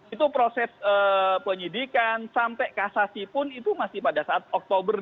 itu proses penyidikan sampai kasasi pun itu masih pada saat oktober dua ribu sembilan belas